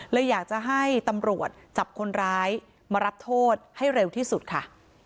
เลยอยากจะให้ตำรวจจับคนร้ายมารับโทษให้เร็วที่สุดค่ะ